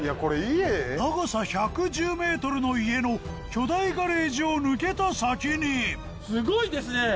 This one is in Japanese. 長さ１１０ｍの家の巨大ガレージを抜けた先にすごいですね！